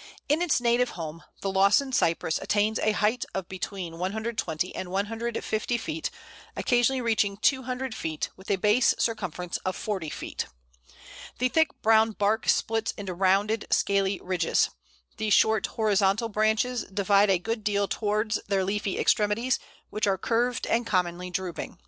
] In its native home the Lawson Cypress attains a height of between 120 and 150 feet, occasionally reaching 200 feet, with a base circumference of 40 feet. The thick brown bark splits into rounded scaly ridges. The short horizontal branches divide a good deal towards their leafy extremities, which are curved, and commonly drooping.